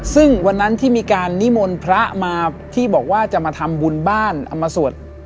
ซึ่งวันนั้นที่มีการนิมนต์พระมาที่บอกว่าจะมาทำบุญบ้านเอามาสวด